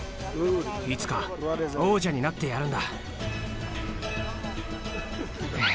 いつか王者になってやるんだ。